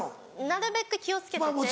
なるべく気を付けてて。